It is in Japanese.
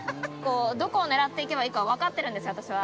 どこを狙っていけばいいか分かっているんですよ、私は。